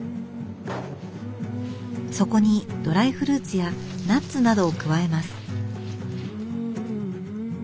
そこにドライフルーツやナッツなどを加えます。